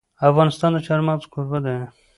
افغانستان د چار مغز کوربه دی.